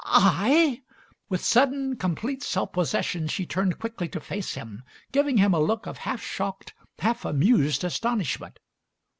"I!" With sudden, complete self possession she turned quickly to face him, giving him a look of half shocked, half amused astonishment.